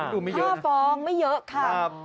ยอดฟ้องไม่เยอะค่ะ